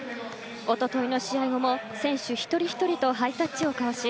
一昨日の試合後も選手一人ひとりとハイタッチをかわし